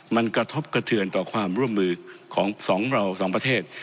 มันกระทบกระเทือนต่อความร่วมมือของสองเราสองประเทศ